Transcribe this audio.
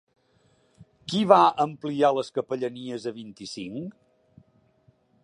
Qui va ampliar les capellanies a vint-i-cinc?